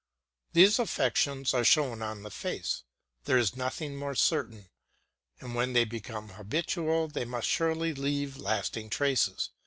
These affections are shown on the face, there is nothing more certain; and when they become habitual, they must surely leave lasting traces.